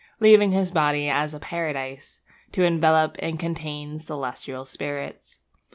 Leaving his body as a paradise, To envelop and contain celestial spirits.